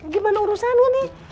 gimana urusan lu nih